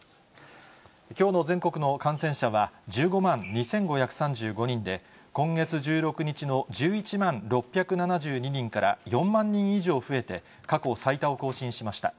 きょうの全国の感染者は、１５万２５３５人で、今月１６日の１１万６７２人から４万人以上増えて過去最多を更新しました。